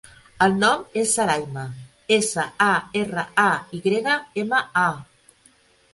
El nom és Sarayma: essa, a, erra, a, i grega, ema, a.